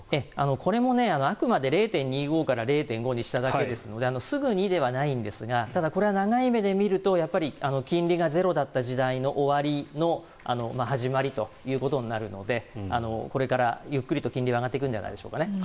これもあくまで０．２５から０．５にしただけですのですぐにではないんですがただ、これは長い目で見ると金利がゼロだった時代の終わりの始まりということになるのでこれからゆっくりと金利は上がっていくんじゃないでしょうか。